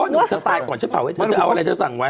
อ้อนุ้มจะตายก่อนฉันเผาให้เธอเธอเอาอะไรเธอสั่งไว้